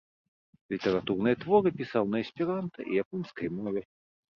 Літаратурныя творы пісаў на эсперанта і японскай мове.